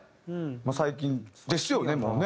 最近ですよねもうね。